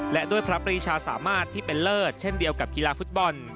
และด้วยพระปรีชาสามารถที่เป็นเลิศเช่นเดียวกับกีฬาฟุตบอล